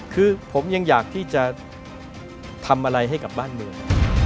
คือผมยังอยากที่จะทำอะไรให้กับบ้านเมือง